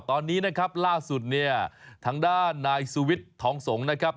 ตอนนี้ล่าสุดทางด้านนายสุวิทธองสงศ์นะครับ